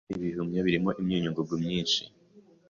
Ibihumyo birimo imyunyu ngugu myinshi.